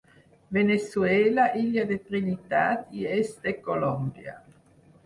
Veneçuela, illa de Trinitat i est de Colòmbia.